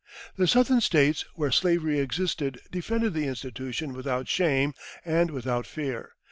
The Southern States where slavery existed defended the institution without shame and without fear.